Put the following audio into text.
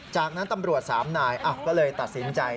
จากนั้นตำรวจ๓นายก็เลยตัดสินใจ